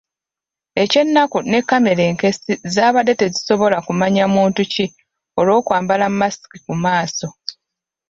Eky'ennaku ne kamera enkessi zaabadde tezisobola kumanya muntu ki olw'okwambala masiki ku maaso.